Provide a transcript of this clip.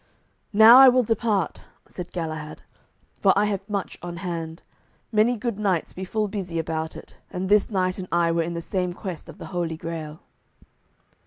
"Now I will depart," said Galahad, "for I have much on hand; many good knights be full busy about it, and this knight and I were in the same quest of the Holy Grail."